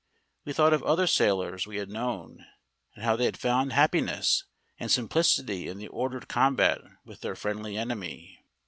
We thought of other sailors we had known, and how they had found happiness and simplicity in the ordered combat with their friendly enemy.